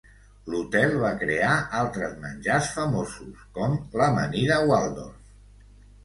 L'hotel va crear altres menjars famosos, com l'amanida Waldorf.